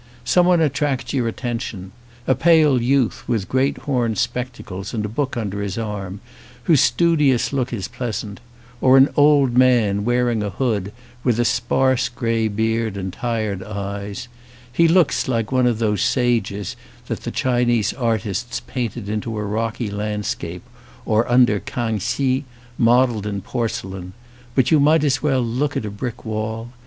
Someone attracts your attention, a pale youth with great horn spec tacles and a book under his arm, whose studious look is pleasant, or an old man, wearing a hood, with a grey sparse beard and tired eyes : he looks like one of those sages that the Chinese artists painted in a rocky landscape or under Kang hsi modelled in porcelain ; but you might as well look at a brick wall.